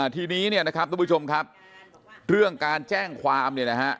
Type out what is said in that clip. ทีนี้นะครับทุกผู้ชมครับเรื่องการแจ้งความ